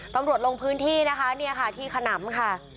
ตำรวจลงพื้นที่ที่ขนำ